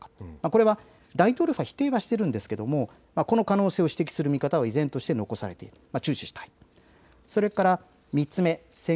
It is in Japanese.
これは大統領府は否定はしているんですがこの可能性を指摘する見方は依然として残されているので注視したい。